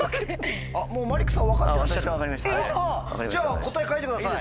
じゃあ答え書いてください。